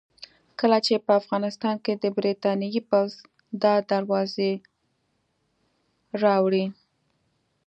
کله چې په افغانستان کې د برتانیې پوځ دا دروازې راوړې.